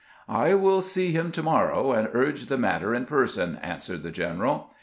" I wiU see him to morrow, and urge the matter in person," an swered the general.